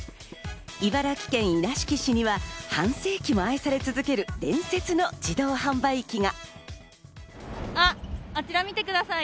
茨城県稲敷市には、半世紀も愛され続ける伝説の自動販売機が。